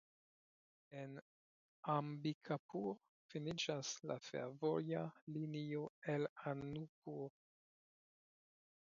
En Ambikapur finiĝas la fervoja linio el Anuppur.